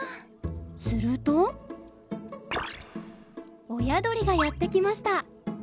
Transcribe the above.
すると親鳥がやって来ました。